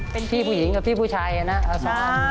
เป็นพี่ผู้หญิงกับพี่ผู้ชายนะอาสา